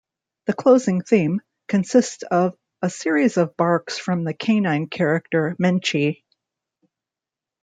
The closing theme, consists of a series of barks from the canine character Menchi.